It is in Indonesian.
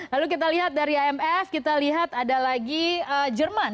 lalu kita lihat dari imf kita lihat ada lagi jerman